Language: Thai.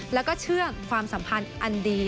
แล้วก็เชื่อความสัมพันธ์อันดี